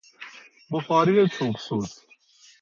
بخاری چوب سوز